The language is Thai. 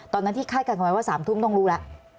ตอนนั้นที่คาดการณ์ไว้ว่า๓ทุ่มต้องรู้แล้ว